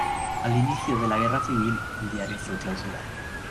Al inicio de la Guerra civil el diario fue clausurado.